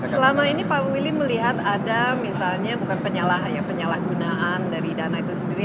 selama ini pak willy melihat ada misalnya bukan penyalahgunaan dari dana itu sendiri